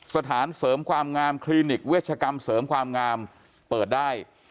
สถานเสริมความงามคลินิกเวชกรรมเสริมความงามเปิดได้